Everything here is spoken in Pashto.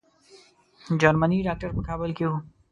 جرمني ډاکټر په کابل کې وو.